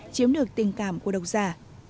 chiếm được tình cảm của độc giả